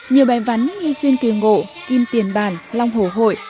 nhiều bài vắn như xuyên kiều ngộ kim tiền bản lòng hồ hội